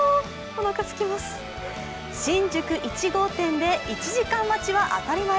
新宿１号店で１時間待ちは当たり前。